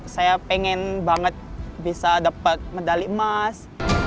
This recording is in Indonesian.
saya pengen banget bisa dapat medali emas